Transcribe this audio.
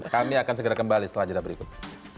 kami akan segera kembali setelah jeda berikut